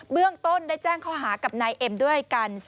เรื่องต้นได้แจ้งข้อหากับนายเอ็มด้วยกัน